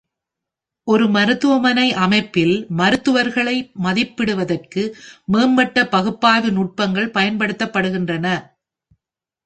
ஒரு மருத்துவமனை அமைப்பில் மருத்துவர்களை மதிப்பிடுவதற்கு மேம்பட்ட பகுப்பாய்வு நுட்பங்கள் பயன்படுத்தப்படுகின்றன.